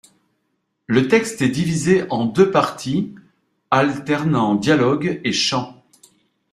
Le texte est divisé en deux parties, alternant dialogues et chants.